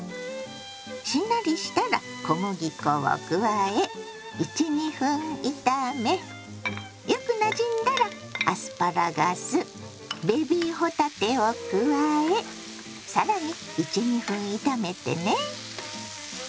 しんなりしたら小麦粉を加え１２分炒めよくなじんだらアスパラガスベビー帆立てを加え更に１２分炒めてね。